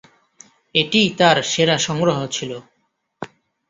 এটিই তার সেরা সংগ্রহ ছিল।